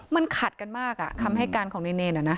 มันขัดกันมากคำให้การของในเนร